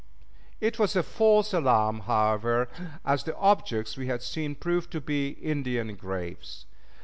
It was a false alarm, however, as the objects we had seen proved to be Indian graves.